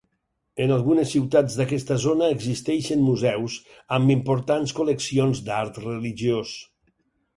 En algunes ciutats d'aquesta zona existeixen museus amb importants col·leccions d'art religiós.